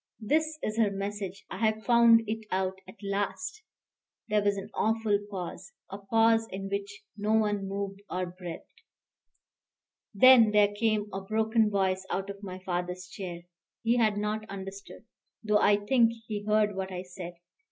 This is her message. I have found it out at last." There was an awful pause, a pause in which no one moved or breathed. Then there came a broken voice out of my father's chair. He had not understood, though I think he heard what I said.